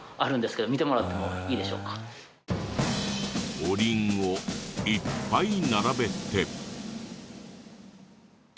お鈴をいっぱい並べて。